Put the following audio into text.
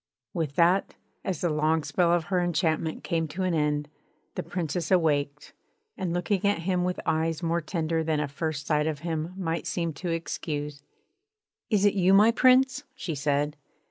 With that, as the long spell of her enchantment came to an end, the Princess awaked; and looking at him with eyes more tender than a first sight of him might seem to excuse: 'Is it you, my Prince?' she said.